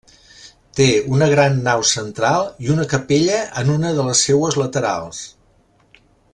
Té una gran nau central i una capella en una de les seues laterals.